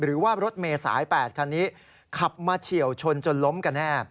หรือว่ารถเมษาย๘คันนี้ขับมาเฉียวชนจนล้มกันแน่